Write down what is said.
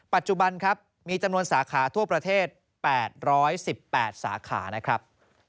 ปัจจุบันมีจำนวนสาขาทั่วประเทศ๘๑๘สาขา